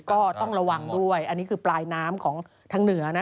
ก็ต้องระวังด้วยอันนี้คือปลายน้ำของทางเหนือนะ